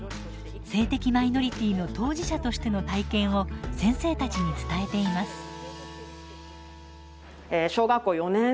性的マイノリティーの当事者としての体験を先生たちに伝えています。